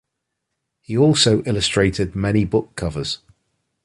He also illustrated many book covers.